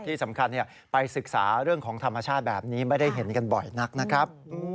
ที่สำคัญไปศึกษาเรื่องของธรรมชาติแบบนี้ไม่ได้เห็นกันบ่อยนักนะครับ